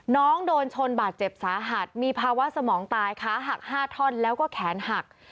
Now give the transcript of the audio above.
น้องโดนชนบาดเจ็บสาหัสมีภาวะสมองตายค้าหัก๕ท่อนแล้วก็แขนหัก